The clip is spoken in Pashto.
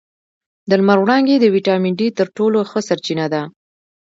د لمر وړانګې د ویټامین ډي تر ټولو ښه سرچینه ده